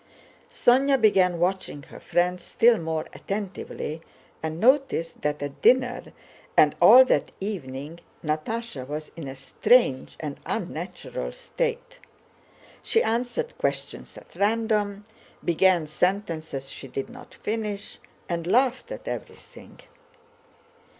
Sónya began watching her friend still more attentively and noticed that at dinner and all that evening Natásha was in a strange and unnatural state. She answered questions at random, began sentences she did not finish, and laughed at everything.